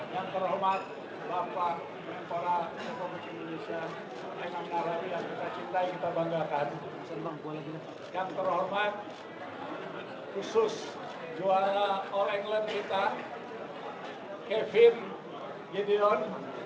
yang terhormat khusus juara all england kita kevin gideon